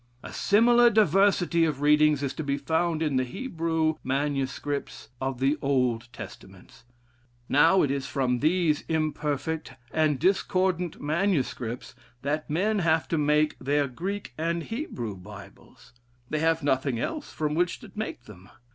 A similar diversity of readings is to be found in the Hebrew manuscripts of the Old Testaments. Now it is from these imperfect and discordant manuscripts that men have to make their Greek and Hebrew Bibles. They have nothing else from which to make them.